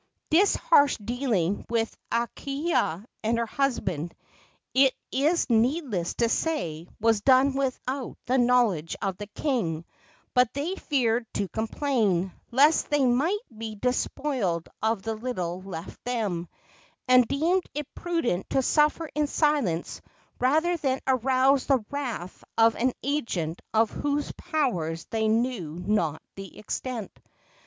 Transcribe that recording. This harsh dealing with Akahia and her husband, it is needless to say, was done without the knowledge of the king; but they feared to complain, lest they might be despoiled of the little left them, and deemed it prudent to suffer in silence rather than arouse the wrath of an agent of whose powers they knew not the extent.